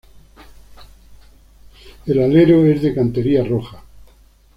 El alero es de cantería roja.